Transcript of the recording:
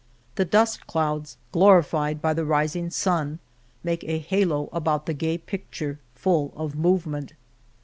The dust clouds, glorified by the rising sun, make a halo about the gay picture full of movement.